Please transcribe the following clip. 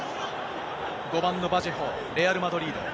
５番のバジェホ、レアル・マドリード。